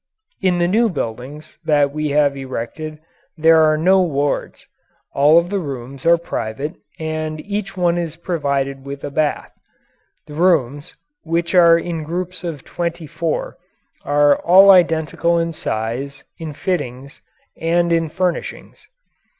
In the new buildings that we have erected there are no wards. All of the rooms are private and each one is provided with a bath. The rooms which are in groups of twenty four are all identical in size, in fittings, and in furnishings.